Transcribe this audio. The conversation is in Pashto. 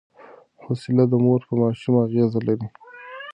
حوصله د مور په ماشوم اغېز لري.